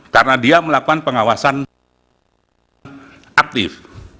karena dia melakukan pengawasan aktif